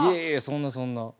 そんなそんな。